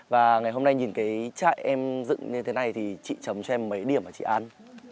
và ngày hôm nay nhìn cái chạy em dựng như thế này thì chị chấm cho em mấy điểm hả chị an